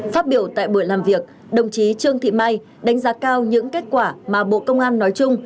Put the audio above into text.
phát biểu tại buổi làm việc đồng chí trương thị mai đánh giá cao những kết quả mà bộ công an nói chung